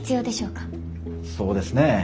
そうですね。